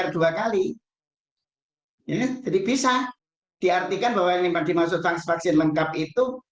jadi bisa diartikan bahwa yang dimaksudkan vaksin lengkap itu